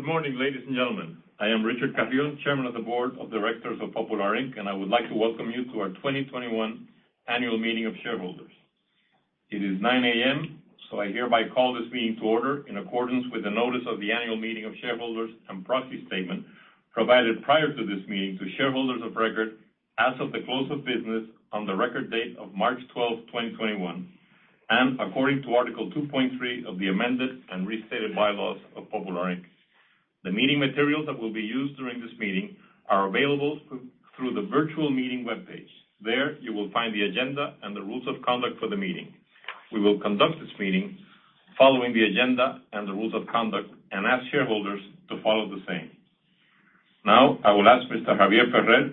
Good morning, ladies and gentlemen. I am Richard Carrión, chairman of the board of directors of Popular, Inc., and I would like to welcome you to our 2021 annual meeting of shareholders. It is 9:00 A.M., I hereby call this meeting to order in accordance with the notice of the annual meeting of shareholders and proxy statement provided prior to this meeting to shareholders of record as of the close of business on the record date of March 12th, 2021, and according to Article 2.3 of the amended and restated bylaws of Popular, Inc. The meeting materials that will be used during this meeting are available through the virtual meeting webpage. There, you will find the agenda and the rules of conduct for the meeting. We will conduct this meeting following the agenda and the rules of conduct and ask shareholders to follow the same. I will ask Mr. Javier Ferrer,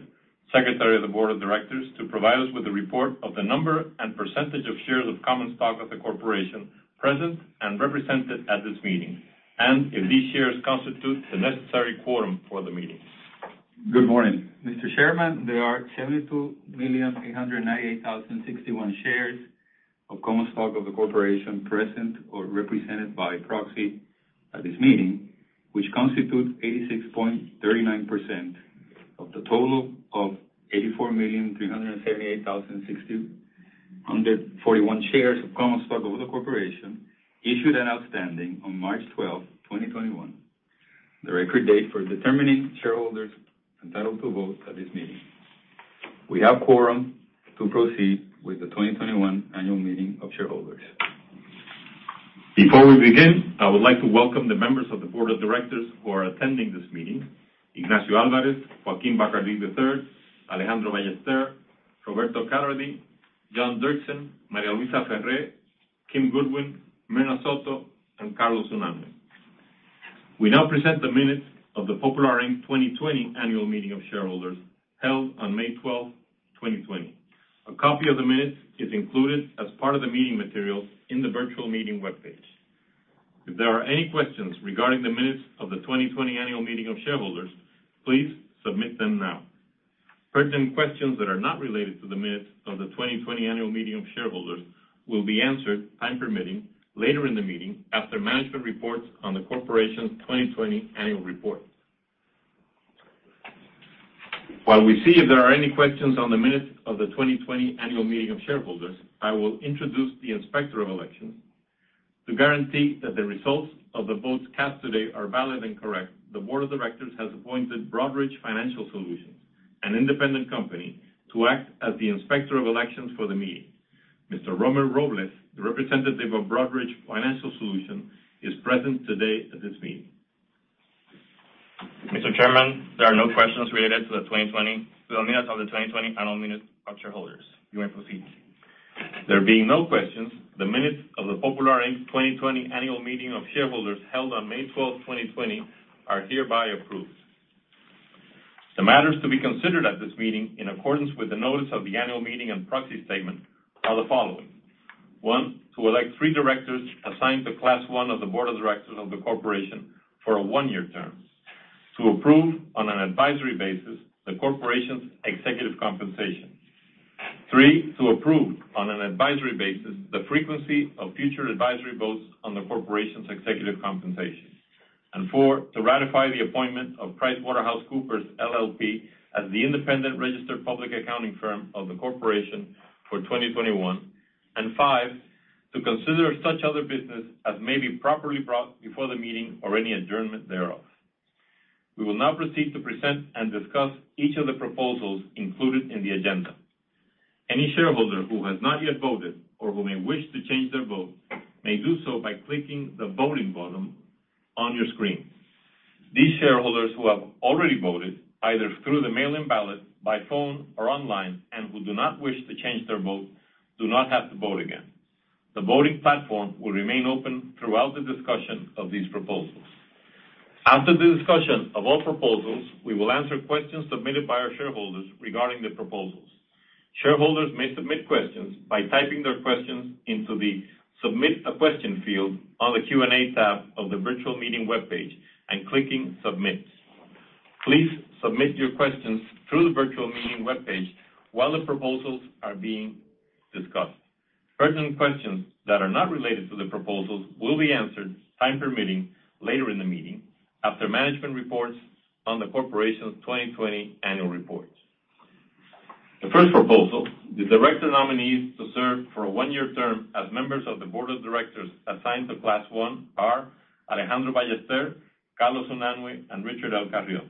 Secretary of the Board of Directors, to provide us with a report of the number and percentage of shares of common stock of the corporation present and represented at this meeting, and if these shares constitute the necessary quorum for the meeting. Good morning, Mr. Chairman. There are 72,898,061 shares of common stock of the corporation present or represented by proxy at this meeting, which constitutes 86.39% of the total of 84,378,641 shares of common stock of the corporation issued and outstanding on March 12th, 2021, the record date for determining shareholders entitled to vote at this meeting. We have quorum to proceed with the 2021 annual meeting of shareholders. Before we begin, I would like to welcome the members of the board of directors who are attending this meeting, Ignacio Alvarez, Joaquín Bacardí, III, Alejandro Ballester, Robert Carrady, John Diercksen, María Luisa Ferré, Kim Goodwin, Myrna Soto, and Carlos Unanue. We now present the minutes of the Popular, Inc. 2020 annual meeting of shareholders held on May 12th, 2020. A copy of the minutes is included as part of the meeting materials in the virtual meeting webpage. If there are any questions regarding the minutes of the 2020 annual meeting of shareholders, please submit them now. Present questions that are not related to the minutes of the 2020 annual meeting of shareholders will be answered, time permitting, later in the meeting after management reports on the corporation's 2020 annual report. While we see if there are any questions on the minutes of the 2020 annual meeting of shareholders, I will introduce the Inspector of Elections. To guarantee that the results of the votes cast today are valid and correct, the board of directors has appointed Broadridge Financial Solutions, an independent company, to act as the Inspector of Elections for the meeting. Mr. Ramón Robles, the representative of Broadridge Financial Solutions, is present today at this meeting. Mr. Chairman, there are no questions related to the 2020 annual minutes of shareholders. You may proceed. There being no questions, the minutes of the Popular, Inc. 2020 annual meeting of shareholders held on May 12th, 2020 are hereby approved. The matters to be considered at this meeting in accordance with the notice of the annual meeting and proxy statement are the following. One, to elect three directors assigned to Class I of the board of directors of the corporation for a one-year term. Two, approve on an advisory basis the corporation's executive compensation. Three, to approve on an advisory basis the frequency of future advisory votes on the corporation's executive compensation. Four, to ratify the appointment of PricewaterhouseCoopers LLP as the independent registered public accounting firm of the corporation for 2021. Five, to consider such other business as may be properly brought before the meeting or any adjournment thereof. We will now proceed to present and discuss each of the proposals included in the agenda. Any shareholder who has not yet voted or who may wish to change their vote may do so by clicking the voting button on your screen. These shareholders who have already voted, either through the mail-in ballot, by phone, or online and who do not wish to change their vote, do not have to vote again. The voting platform will remain open throughout the discussion of these proposals. After the discussion of all proposals, we will answer questions submitted by our shareholders regarding the proposals. Shareholders may submit questions by typing their questions into the Submit a Question field on the Q&A tab of the virtual meeting webpage and clicking Submit. Please submit your questions through the virtual meeting webpage while the proposals are being discussed. Present questions that are not related to the proposals will be answered, time permitting, later in the meeting after management reports on the corporation's 2020 annual report. The first proposal, the director nominees to serve for a one-year term as members of the board of directors assigned to Class I are Alejandro Ballester, Carlos Unanue, and Richard L. Carrión.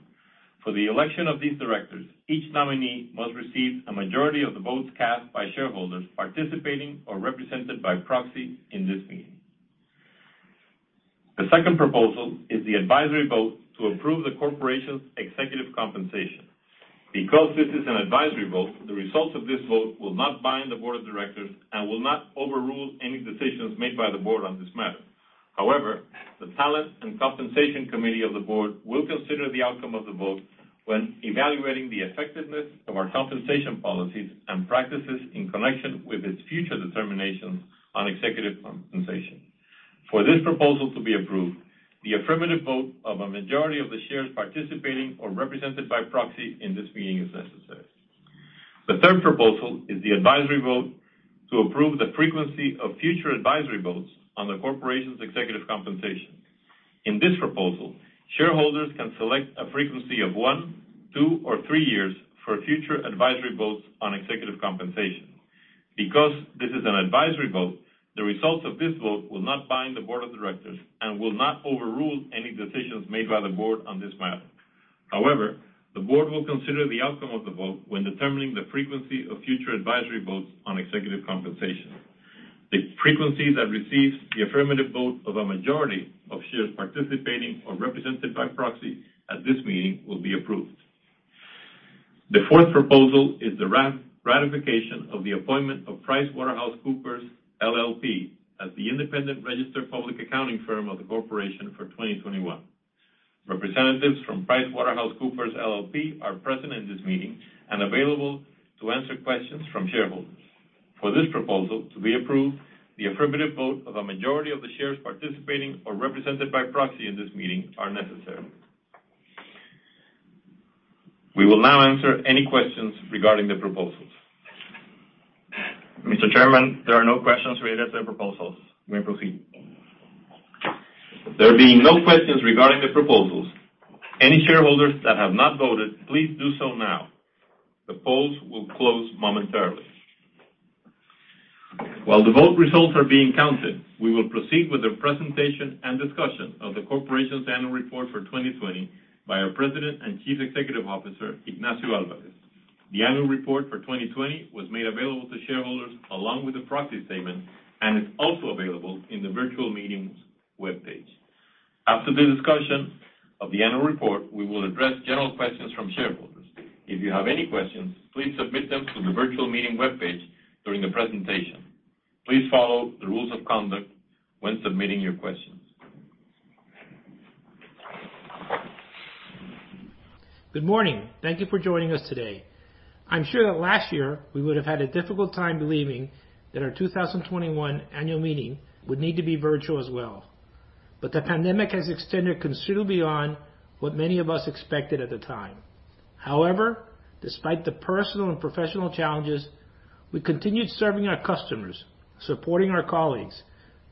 For the election of these directors, each nominee must receive a majority of the votes cast by shareholders participating or represented by proxy in this meeting. The second proposal is the advisory vote to approve the corporation's executive compensation. Because this is an advisory vote, the results of this vote will not bind the board of directors and will not overrule any decisions made by the board on this matter. However, the Talent and Compensation Committee of the board will consider the outcome of the vote when evaluating the effectiveness of our compensation policies and practices in connection with its future determinations on executive compensation. For this proposal to be approved, the affirmative vote of a majority of the shares participating or represented by proxy in this meeting is necessary. The third proposal is the advisory vote to approve the frequency of future advisory votes on the corporation's executive compensation. In this proposal, shareholders can select a frequency of one, two, or three years for future advisory votes on executive compensation. Because this is an advisory vote, the results of this vote will not bind the board of directors and will not overrule any decisions made by the board on this matter. However, the board will consider the outcome of the vote when determining the frequency of future advisory votes on executive compensation. The frequency that receives the affirmative vote of a majority of shares participating or represented by proxy at this meeting will be approved. The fourth proposal is the ratification of the appointment of PricewaterhouseCoopers LLP as the independent registered public accounting firm of the corporation for 2021. Representatives from PricewaterhouseCoopers LLP are present in this meeting and available to answer questions from shareholders. For this proposal to be approved, the affirmative vote of a majority of the shares participating or represented by proxy in this meeting are necessary. We will now answer any questions regarding the proposals. Mr. Chairman, there are no questions raised as to the proposals. You may proceed. There being no questions regarding the proposals, any shareholders that have not voted, please do so now. The polls will close momentarily. While the vote results are being counted, we will proceed with the presentation and discussion of the corporation's annual report for 2020 by our President and Chief Executive Officer, Ignacio Alvarez. The annual report for 2020 was made available to shareholders along with the proxy statement and is also available in the virtual meetings webpage. After the discussion of the annual report, we will address general questions from shareholders. If you have any questions, please submit them through the virtual meeting webpage during the presentation. Please follow the rules of conduct when submitting your questions. Good morning. Thank you for joining us today. I'm sure that last year we would have had a difficult time believing that our 2021 annual meeting would need to be virtual as well. The pandemic has extended considerably beyond what many of us expected at the time. However, despite the personal and professional challenges, we continued serving our customers, supporting our colleagues,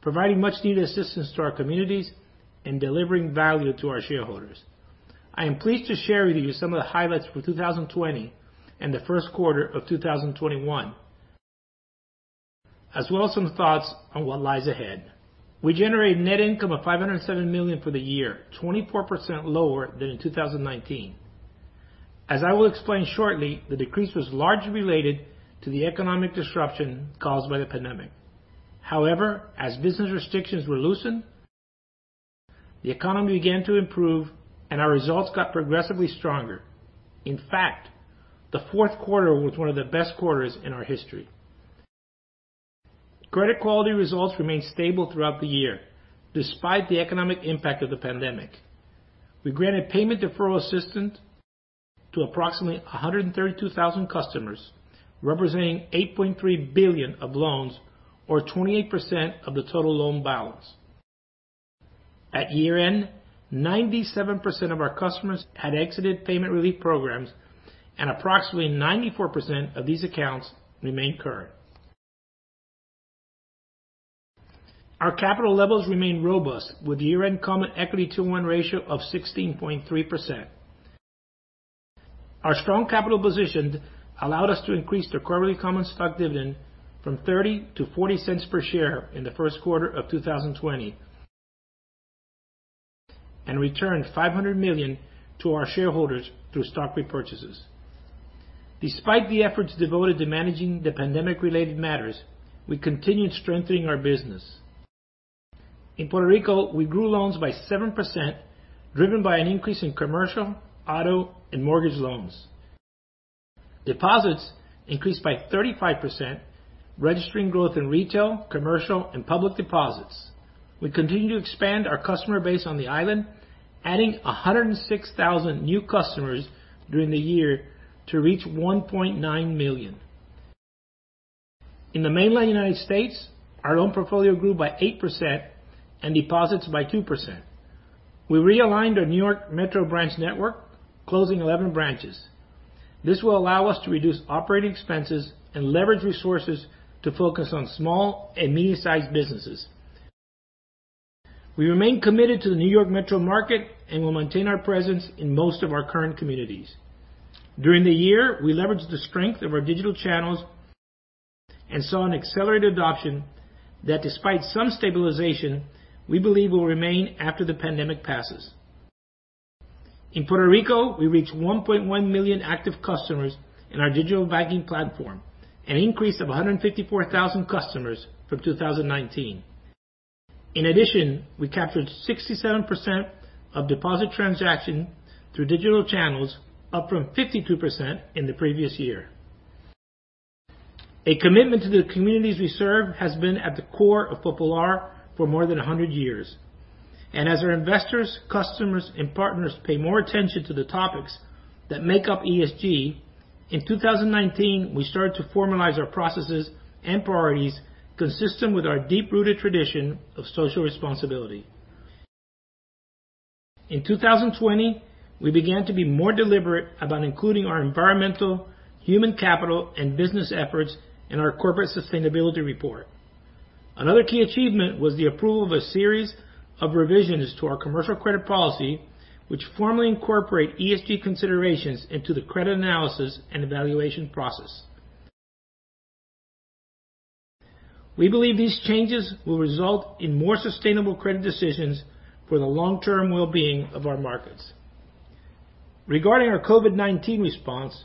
providing much-needed assistance to our communities, and delivering value to our shareholders. I am pleased to share with you some of the highlights for 2020 and the first quarter of 2021, as well as some thoughts on what lies ahead. We generated net income of $507 million for the year, 24% lower than in 2019. As I will explain shortly, the decrease was largely related to the economic disruption caused by the pandemic. As business restrictions were loosened, the economy began to improve, and our results got progressively stronger. The fourth quarter was one of the best quarters in our history. Credit quality results remained stable throughout the year, despite the economic impact of the pandemic. We granted payment deferral assistance to approximately 132,000 customers, representing $8.3 billion of loans or 28% of the total loan balance. At year-end, 97% of our customers had exited payment relief programs and approximately 94% of these accounts remained current. Our capital levels remain robust with the year-end common equity to one ratio of 16.3%. Our strong capital position allowed us to increase the quarterly common stock dividend from $0.30-$0.40 per share in the first quarter of 2020 and returned $500 million to our shareholders through stock repurchases. Despite the efforts devoted to managing the pandemic-related matters, we continued strengthening our business. In Puerto Rico, we grew loans by 7%, driven by an increase in commercial, auto, and mortgage loans. Deposits increased by 35%, registering growth in retail, commercial, and public deposits. We continue to expand our customer base on the island, adding 106,000 new customers during the year to reach 1.9 million. In the mainland U.S., our loan portfolio grew by 8% and deposits by 2%. We realigned our New York Metro branch network, closing 11 branches. This will allow us to reduce operating expenses and leverage resources to focus on small and medium-sized businesses. We remain committed to the New York Metro market and will maintain our presence in most of our current communities. During the year, we leveraged the strength of our digital channels and saw an accelerated adoption that, despite some stabilization, we believe will remain after the pandemic passes. In Puerto Rico, we reached 1.1 million active customers in our Digital Banking platform, an increase of 154,000 customers from 2019. In addition, we captured 67% of deposit transactions through digital channels, up from 52% in the previous year. A commitment to the communities we serve has been at the core of Popular for more than 100 years. As our investors, customers, and partners pay more attention to the topics that make up ESG, in 2019, we started to formalize our processes and priorities consistent with our deep-rooted tradition of social responsibility. In 2020, we began to be more deliberate about including our environmental, human capital, and business efforts in our corporate sustainability report. Another key achievement was the approval of a series of revisions to our commercial credit policy, which formally incorporate ESG considerations into the credit analysis and evaluation process. We believe these changes will result in more sustainable credit decisions for the long-term well-being of our markets. Regarding our COVID-19 response,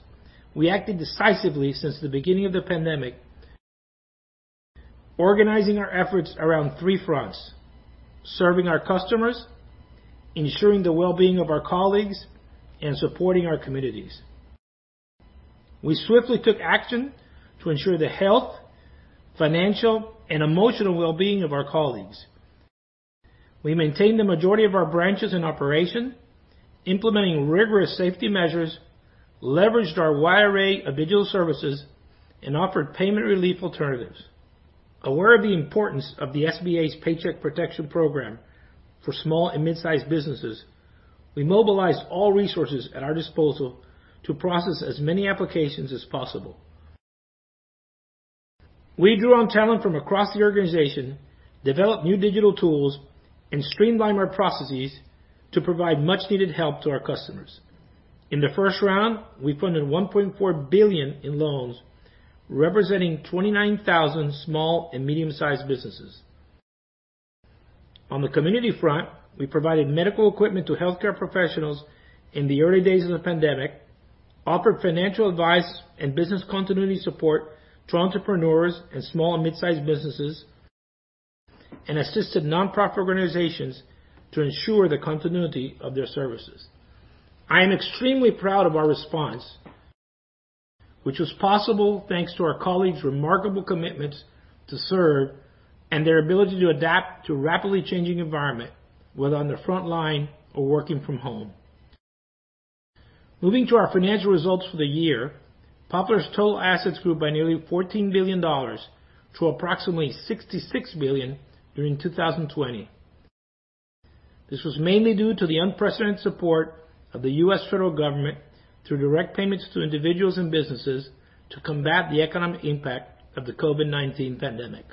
we acted decisively since the beginning of the pandemic, organizing our efforts around three fronts, serving our customers, ensuring the well-being of our colleagues, and supporting our communities. We swiftly took action to ensure the health, financial, and emotional well-being of our colleagues. We maintained the majority of our branches in operation, implementing rigorous safety measures, leveraged our wide array of digital services, and offered payment relief alternatives. Aware of the importance of the SBA's Paycheck Protection Program for small and mid-sized businesses, we mobilized all resources at our disposal to process as many applications as possible. We drew on talent from across the organization, developed new digital tools, and streamlined our processes to provide much needed help to our customers. In the first round, we funded $1.4 billion in loans, representing 29,000 small and medium-sized businesses. On the community front, we provided medical equipment to healthcare professionals in the early days of the pandemic, offered financial advice and business continuity support to entrepreneurs and small and mid-sized businesses, and assisted nonprofit organizations to ensure the continuity of their services. I am extremely proud of our response, which was possible thanks to our colleagues' remarkable commitments to serve and their ability to adapt to a rapidly changing environment, whether on the front line or working from home. Moving to our financial results for the year, Popular's total assets grew by nearly $14 billion to approximately $66 billion during 2020. This was mainly due to the unprecedented support of the U.S. federal government through direct payments to individuals and businesses to combat the economic impact of the COVID-19 pandemic.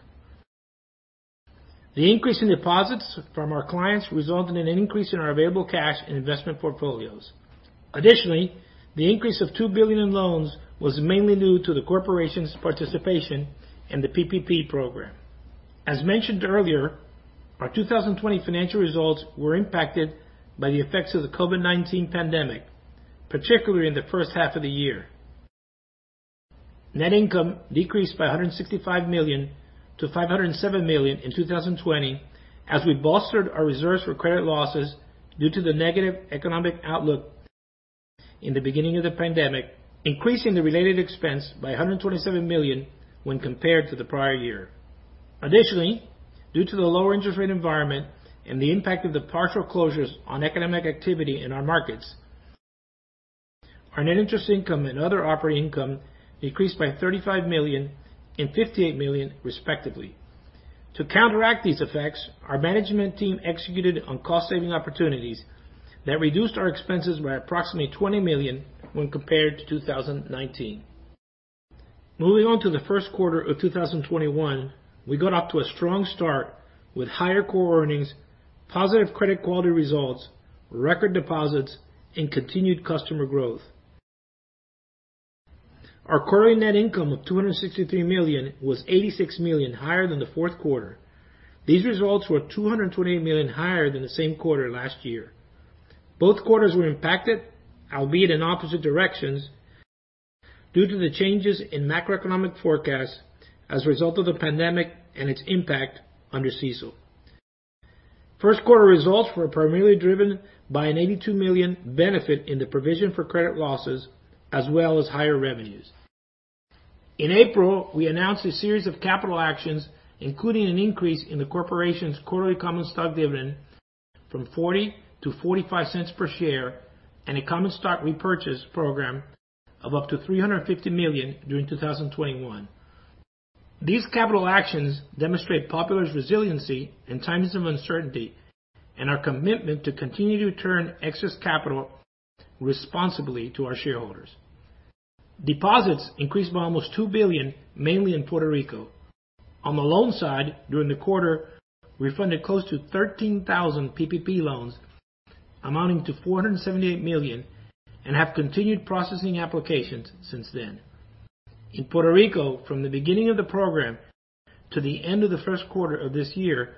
The increase in deposits from our clients resulted in an increase in our available cash and investment portfolios. Additionally, the increase of $2 billion in loans was mainly due to the corporation's participation in the PPP program. As mentioned earlier, our 2020 financial results were impacted by the effects of the COVID-19 pandemic, particularly in the first half of the year. Net income decreased by $165 million to $507 million in 2020, as we bolstered our reserves for credit losses due to the negative economic outlook in the beginning of the pandemic, increasing the related expense by $127 million when compared to the prior year. Additionally, due to the lower interest rate environment and the impact of the partial closures on economic activity in our markets, our net interest income and other operating income decreased by $35 million and $58 million respectively. To counteract these effects, our management team executed on cost-saving opportunities that reduced our expenses by approximately $20 million when compared to 2019. Moving on to the first quarter of 2021, we got off to a strong start with higher core earnings, positive credit quality results, record deposits, and continued customer growth. Our quarterly net income of $263 million was $86 million higher than the fourth quarter. These results were $228 million higher than the same quarter last year. Both quarters were impacted, albeit in opposite directions, due to the changes in macroeconomic forecasts as a result of the pandemic and its impact under CECL. First quarter results were primarily driven by an $82 million benefit in the provision for credit losses, as well as higher revenues. In April, we announced a series of capital actions, including an increase in the corporation's quarterly common stock dividend from $0.40-$0.45 per share, and a common stock repurchase program of up to $350 million during 2021. These capital actions demonstrate Popular's resiliency in times of uncertainty and our commitment to continue to return excess capital responsibly to our shareholders. Deposits increased by almost $2 billion, mainly in Puerto Rico. On the loan side, during the quarter, we funded close to 13,000 PPP loans amounting to $478 million and have continued processing applications since then. In Puerto Rico, from the beginning of the program to the end of the first quarter of this year,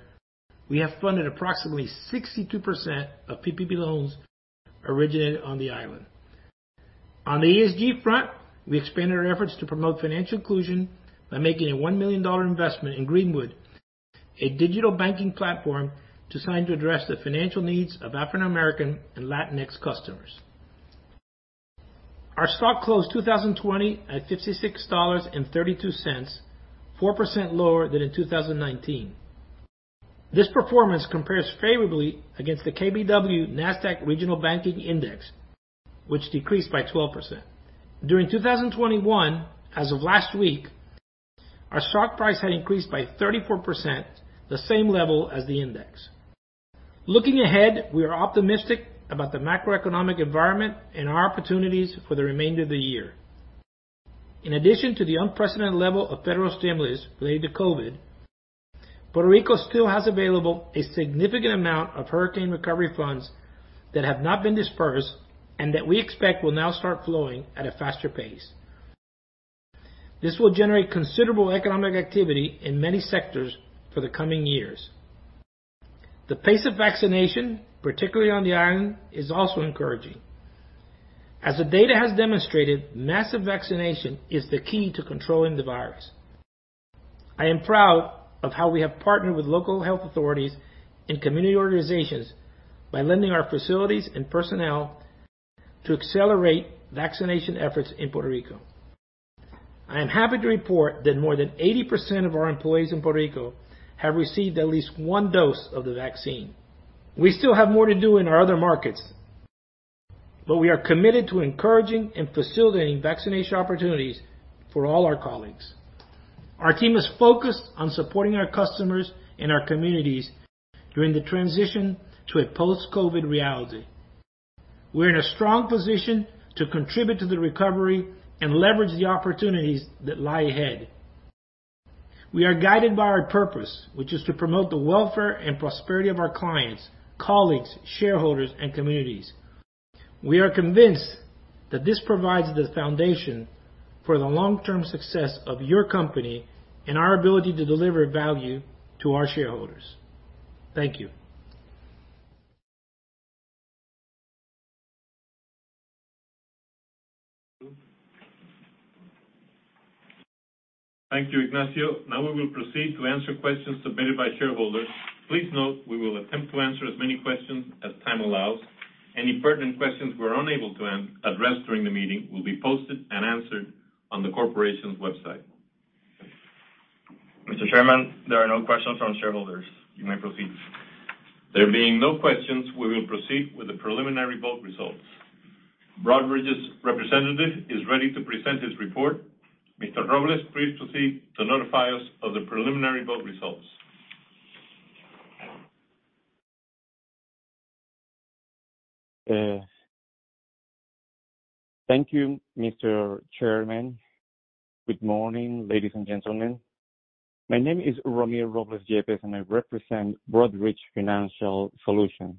we have funded approximately 62% of PPP loans originated on the island. On the ESG front, we expanded our efforts to promote financial inclusion by making a $1 million investment in Greenwood, a digital banking platform designed to address the financial needs of African American and Latinx customers. Our stock closed 2020 at $56.32, 4% lower than in 2019. This performance compares favorably against the KBW Nasdaq Regional Banking Index, which decreased by 12%. During 2021, as of last week, our stock price had increased by 34%, the same level as the index. Looking ahead, we are optimistic about the macroeconomic environment and our opportunities for the remainder of the year. In addition to the unprecedented level of federal stimulus related to COVID, Puerto Rico still has available a significant amount of hurricane recovery funds that have not been disbursed, and that we expect will now start flowing at a faster pace. This will generate considerable economic activity in many sectors for the coming years. The pace of vaccination, particularly on the island, is also encouraging. As the data has demonstrated, massive vaccination is the key to controlling the virus. I am proud of how we have partnered with local health authorities and community organizations by lending our facilities and personnel to accelerate vaccination efforts in Puerto Rico. I am happy to report that more than 80% of our employees in Puerto Rico have received at least one dose of the vaccine. We still have more to do in our other markets, but we are committed to encouraging and facilitating vaccination opportunities for all our colleagues. Our team is focused on supporting our customers and our communities during the transition to a post-COVID reality. We're in a strong position to contribute to the recovery and leverage the opportunities that lie ahead. We are guided by our purpose, which is to promote the welfare and prosperity of our clients, colleagues, shareholders, and communities. We are convinced that this provides the foundation for the long-term success of your company and our ability to deliver value to our shareholders. Thank you. Thank you, Ignacio. Now we will proceed to answer questions submitted by shareholders. Please note we will attempt to answer as many questions as time allows. Any pertinent questions we're unable to address during the meeting will be posted and answered on the Corporation's website. Mr. Chairman, there are no questions from shareholders. You may proceed. There being no questions, we will proceed with the preliminary vote results. Broadridge's representative is ready to present his report. Mr. Robles, please proceed to notify us of the preliminary vote results. Thank you, Mr. Chairman. Good morning, ladies and gentlemen. My name is Ramón Robles Yepes, and I represent Broadridge Financial Solutions,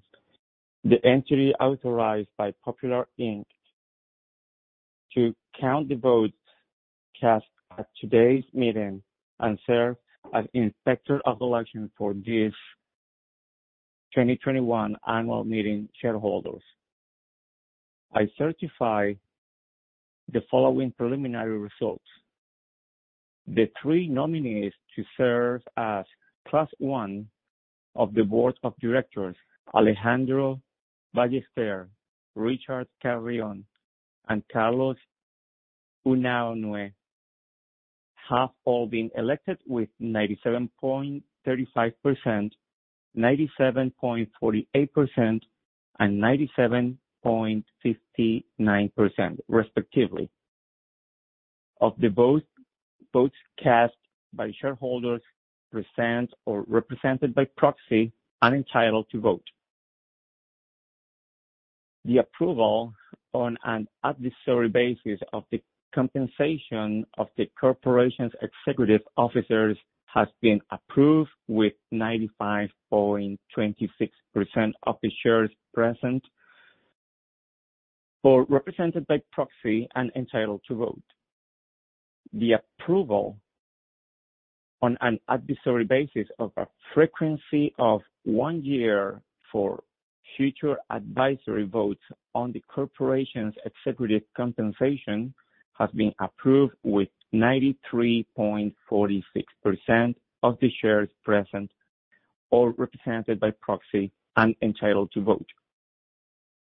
the entity authorized by Popular, Inc. to count the votes cast at today's meeting and serve as inspector of election for this 2021 annual meeting shareholders. I certify the following preliminary results. The three nominees to serve as Class I of the Board of Directors, Alejandro Ballester, Richard Carrión, and Carlos Unanue, have all been elected with 97.35%, 97.48%, and 97.59% respectively of the votes cast by shareholders present or represented by proxy and entitled to vote. The approval on an advisory basis of the compensation of the corporation's executive officers has been approved with 95.26% of the shares present or represented by proxy and entitled to vote. The approval on an advisory basis of a frequency of one year for future advisory votes on the corporation's executive compensation has been approved with 93.46% of the shares present or represented by proxy and entitled to vote.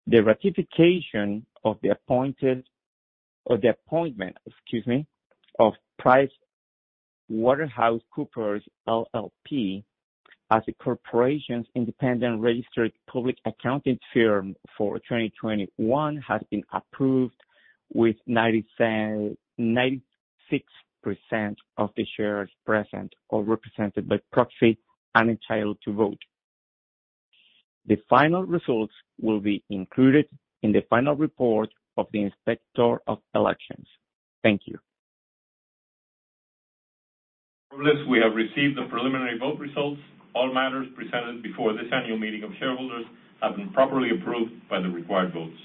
The ratification of the appointment, excuse me, of PricewaterhouseCoopers LLP as the corporation's independent registered public accounting firm for 2021 has been approved with 96% of the shares present or represented by proxy and entitled to vote. The final results will be included in the final report of the inspector of elections. Thank you. Robles, we have received the preliminary vote results. All matters presented before this annual meeting of shareholders have been properly approved by the required votes.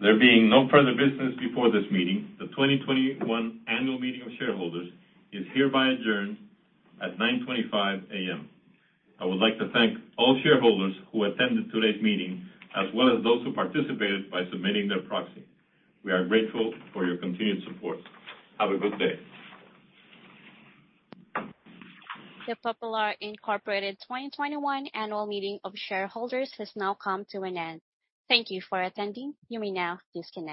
There being no further business before this meeting, the 2021 annual meeting of shareholders is hereby adjourned at 9:25 A.M. I would like to thank all shareholders who attended today's meeting, as well as those who participated by submitting their proxy. We are grateful for your continued support. Have a good day. The Popular, Inc. 2021 Annual Meeting of Shareholders has now come to an end. Thank you for attending. You may now disconnect